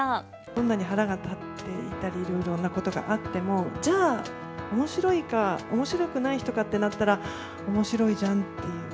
どんなに腹が立っていたり、いろいろなことがあっても、じゃあ、おもしろいか、おもしろくない人かってなったら、おもしろいじゃんっていう。